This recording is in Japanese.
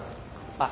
あっ。